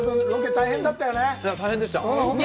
大変でした。